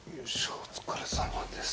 お疲れさまです。